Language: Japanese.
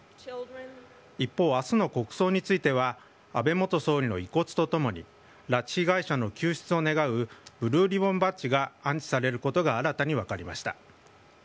一方、あすの国葬については、安倍元総理の遺骨とともに、拉致被害者の救出を願うブルーリボンバッジが安置されることが新たに分かりました。